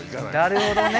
なるほどね。